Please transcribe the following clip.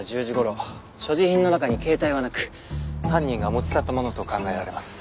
所持品の中に携帯はなく犯人が持ち去ったものと考えられます。